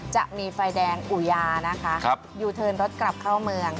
จะมีไฟแดงอุยานะคะยูเทิร์นรถกลับเข้าเมือง